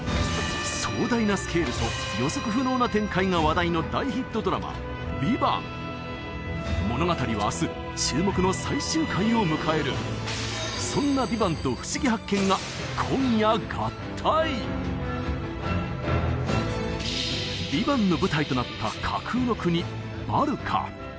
壮大なスケールと予測不能な展開が話題の大ヒットドラマ「ＶＩＶＡＮＴ」物語は明日注目の最終回を迎えるそんな「ＶＩＶＡＮＴ」と「ふしぎ発見！」が今夜合体「ＶＩＶＡＮＴ」の舞台となった架空の国バルカ